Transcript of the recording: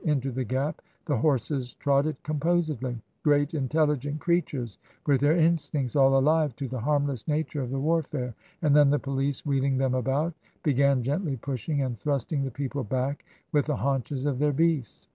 Into the gap the horses trotted composedly — great, intelligent creatures, with their instincts all alive to the harmless nature of the warfare — and then the police wheeling them about, began gently pushing and thrust ing the people back with the haunches of their beasts.